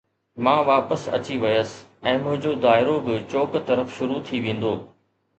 مان واپس اچي ويس ۽ منهنجو دائرو به چوڪ طرف شروع ٿي ويندو